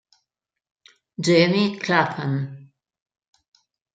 Jamie Clapham